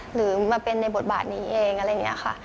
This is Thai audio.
หรือมาเป็นในบทบาทนี้เองอะไรอย่างนี้ค่ะ